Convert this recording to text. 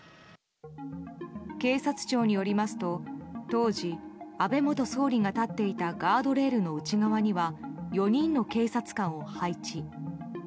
警察庁によりますと当時、安倍元総理が立っていたガードレールの内側には４人の警察官を配置。